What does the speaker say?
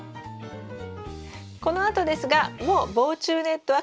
このあとですがもう防虫ネットはかけません。